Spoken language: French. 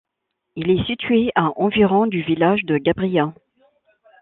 Il est situé à environ du village de Gabrias.